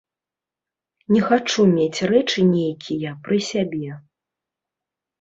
Не хачу мець рэчы нейкія пры сябе.